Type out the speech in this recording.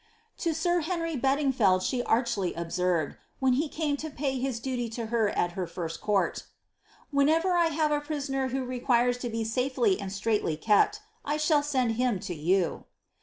To sir Henry Bedingfeld she archly observed, when he came to pay his duly to her at her first court —'^ Whenever I have a prisoner who re quires to be safely and straitly kept, I shall send him to you."